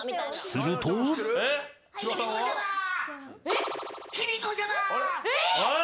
［すると］えっ！？えっ！？